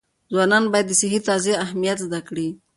ځوانان باید د صحي تغذیې اهمیت زده کړي.